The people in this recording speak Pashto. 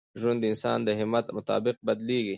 ژوند د انسان د همت مطابق بدلېږي.